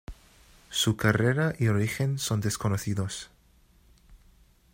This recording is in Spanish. Su carrera y origen son desconocidos.